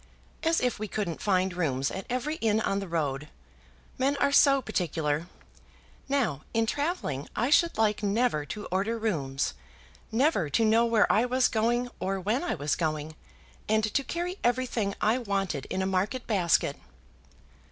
"As if we couldn't find rooms at every inn on the road. Men are so particular. Now in travelling I should like never to order rooms, never to know where I was going or when I was going, and to carry everything I wanted in a market basket."